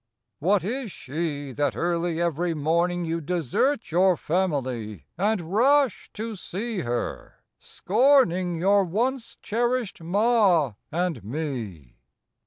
What is she That early every morning You desert your family And rush to see her, scorning Your once cherished ma and me?